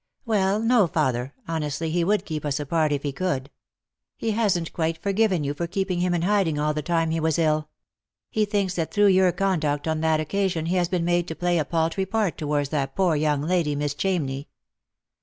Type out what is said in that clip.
" Well, no father, honestly he would keep us apart if he could. He hasn't quite forgiven you for keeping him in hiding all the time he was ill. He thinks that through your conduct on that occasion he has been made to play a paltry part towards that poor young lady, Miss Chamney."